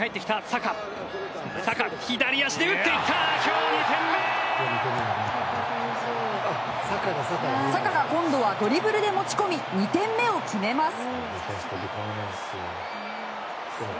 サカが今度はドリブルで持ち込み２点目を決めます。